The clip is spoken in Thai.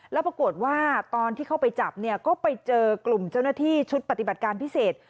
แล้วปรากฏว่าตอนที่เข้าไปจับเนี่ยก็ไปเจอกลุ่มเจ้าหน้าที่ชุดปฏิบัติการพิเศษ